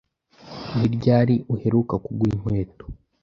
Ni ryari uheruka kugura inkweto?